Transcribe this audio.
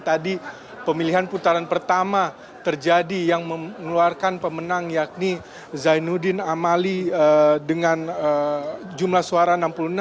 tadi pemilihan putaran pertama terjadi yang mengeluarkan pemenang yakni zainuddin amali dengan jumlah suara enam puluh enam